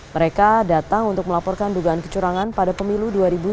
mereka datang untuk melaporkan dugaan kecurangan pada pemilu dua ribu sembilan belas